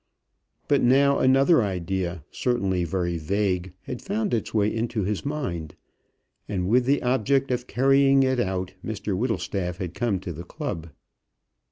But now another idea, certainly very vague, had found its way into his mind, and with the object of carrying it out, Mr Whittlestaff had come to the club.